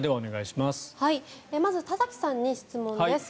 まず田崎さんに質問です。